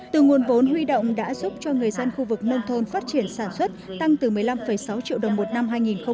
từ nguồn vốn huy động đã giúp cho người dân khu vực nông thôn phát triển sản xuất tăng từ một mươi năm sáu triệu đồng một năm hai nghìn một mươi bảy